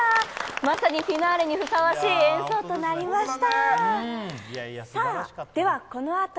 まさにフィナーレにふさわしい演奏となりました。